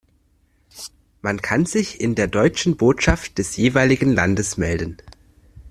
Man kann sich in der deutschen Botschaft des jeweiligen Landes melden.